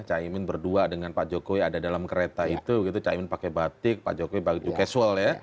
cahimin berdua dengan pak jokowi ada dalam kereta itu gitu cahimin pakai batik pak jokowi juga casual ya